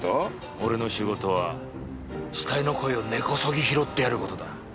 俺の仕事は死体の声を根こそぎ拾ってやる事だ。